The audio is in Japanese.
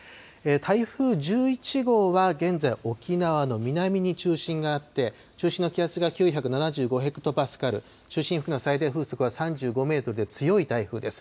台風１１号は現在、沖縄の南に中心があって、中心の気圧が９７５ヘクトパスカル、中心付近の最大風速は３５メートルで強い台風です。